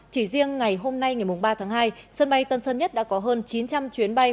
chỉ riêng ngày hôm nay ngày ba tháng hai sân bay tân sơn nhất đã có hơn chín trăm linh chuyến bay